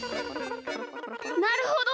なるほど！